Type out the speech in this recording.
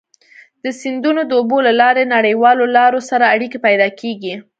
د سیندونو د اوبو له لارې نړیوالو لارو سره اړيکي پيدا کیږي.